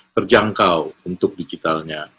terjangkau untuk digitalnya